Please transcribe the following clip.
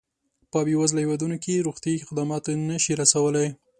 په بېوزله هېوادونو کې روغتیایي خدمات نه شي رسولای.